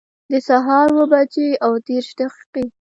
د سهار اووه بجي او دیرش دقیقي